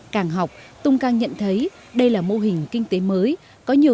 càng học tùng càng nhận thấy đây là mô hình kinh tế mới